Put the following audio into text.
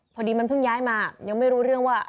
พอดีมันเพิ่งย้ายมายังไม่รู้เรื่องว่า